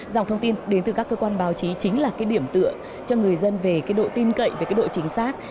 dòng thông tin đến từ các cơ quan báo chí chính là cái điểm tựa cho người dân về cái độ tin cậy về cái độ chính xác